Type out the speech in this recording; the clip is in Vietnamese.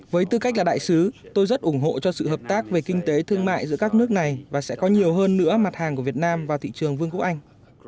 với tư cách là đại sứ tôi rất ủng hộ cho sự hợp tác về kinh tế thương mại giữa các nước này và sẽ có nhiều hơn nữa mặt hàng của việt nam vào thị trường vương quốc anh